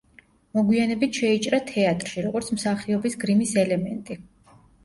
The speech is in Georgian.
მოგვიანებით შეიჭრა თეატრში, როგორც მსახიობის გრიმის ელემენტი.